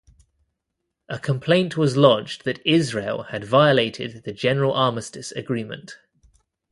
A complaint was lodged that Israel had violated the General Armistice agreement.